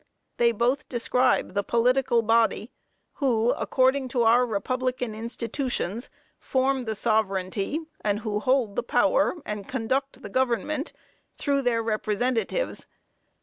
They both describe the political body, who, according to our republican institutions, form the sovereignty, and who hold the power and conduct the government, through their representatives.